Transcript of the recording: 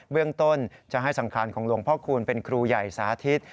เรื่องต้นจะให้สังคารของหลวงพ่อคูณเป็นครูใหญ่สาธิต